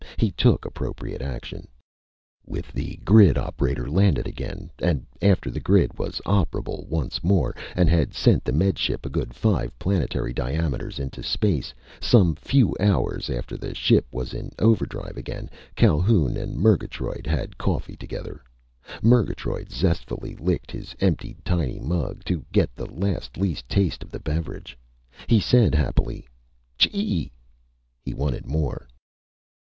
He took appropriate action. With the grid operator landed again, and after the grid was operable once more and had sent the Med Ship a good five planetary diameters into space some few hours after the ship was in overdrive again Calhoun and Murgatroyd had coffee together. Murgatroyd zestfully licked his emptied tiny mug, to get the last least taste of the beverage. He said happily, "Chee!" He wanted more.